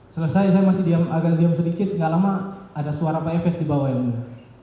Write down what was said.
selesai saya masih agak diam sedikit gak lama ada suara pak efes di bawah yang mulia